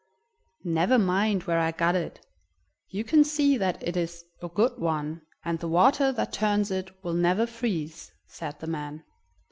"Never mind where I got it; you can see that it is a good one, and the water that turns it will never freeze," said the man.